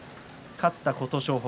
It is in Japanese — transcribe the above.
勝った琴勝峰